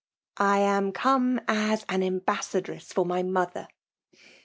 '' I am come as an ambassadress for my mother.